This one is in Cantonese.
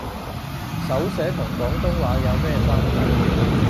手寫同廣東話有咩關係